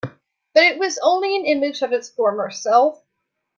But it was only an image of its former self.